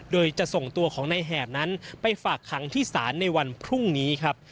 โดยจะส่งตัวของนายแหบนั้นไปฝากขังที่ศาลในวันพรุ่งนี้ครับ